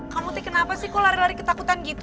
kamu kenapa lari lari ketakutan gitu